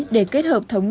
để kết hợp thống nhận